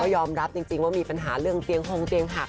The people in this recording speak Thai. ยอมรับจริงว่ามีปัญหาเรื่องเตียงหงเตียงหัก